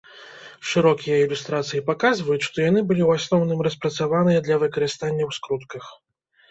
Шырокія ілюстрацыі паказваюць, што яны былі ў асноўным распрацаваныя для выкарыстання ў скрутках.